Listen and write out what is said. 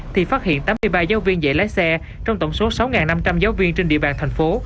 thì phát hiện tám mươi ba giáo viên dạy lái xe trong tổng số sáu năm trăm linh giáo viên trên địa bàn thành phố